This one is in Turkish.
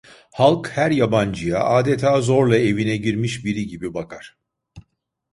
Halk her yabancıya adeta zorla evine girmiş biri gibi bakar…